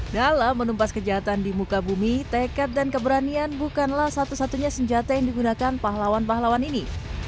dalam menumpas kejahatan di muka bumi tekad dan keberanian bukanlah satu satunya senjata yang digunakan pahlawan pahlawan ini